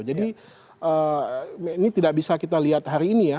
jadi ini tidak bisa kita lihat hari ini ya